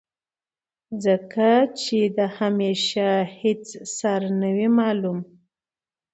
ځکه چې د همېشه هېڅ سر نۀ وي معلوم